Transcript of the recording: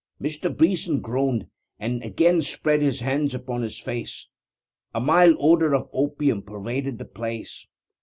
Mr. Beeson groaned, and again spread his hands upon his face. A mild odour of opium pervaded the place.